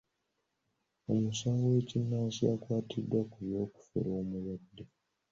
Omusawo w'ekinnansi yakwatiddwa ku by'okufera omulwadde.